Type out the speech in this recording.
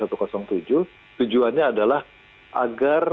tujuannya adalah agar